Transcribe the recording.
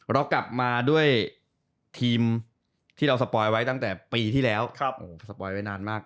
เรากลับมาด้วยทีมที่เราสปอยไว้ตั้งแต่ปีที่แล้วสปอยไว้นานมาก